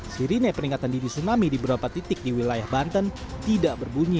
sirine peningkatan dini tsunami di beberapa titik di wilayah banten tidak berbunyi